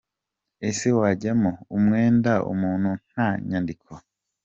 Ese wajyamo umwenda umuntu nta nyandiko?”.